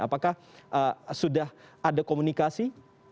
apakah sudah ada komunikasi